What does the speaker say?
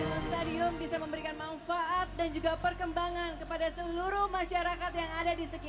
assalamu'alaikum warahmatullahi wabarakatuh